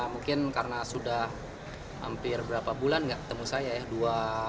mungkin karena sudah hampir berapa bulan nggak ketemu saya ya